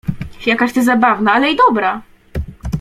— Jakaś ty zabawna… ale i dobra!